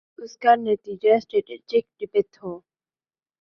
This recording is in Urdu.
اگر اس کا نتیجہ سٹریٹجک ڈیپتھ